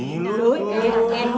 tapi ini dulu